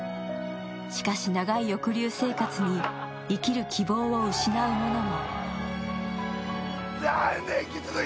しかし、長い抑留生活に生きる希望を失う者も。